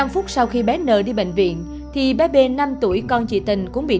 năm phút sau khi bé n đi bệnh viện thì bé b năm tuổi con chị tình cũng bị nôn